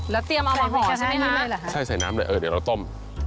แล้วเตรียมเอามาหอใช่ไหมคะใช่ใส่น้ำเลยแล้วต้ม